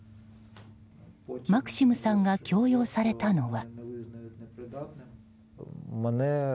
マクシムさんが強要されたのは。